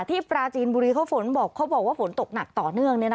ที่ปราจีนบุรีเขาบอกว่าฝนตกหนักต่อเนื่อง